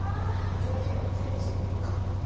条件を整理してみよっか。